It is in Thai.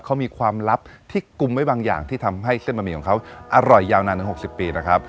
เขามีความลับที่กุมไว้บางอย่างที่ทำให้เส้นบะหมี่ของเขาอร่อยยาวนานถึง๖๐ปีนะครับ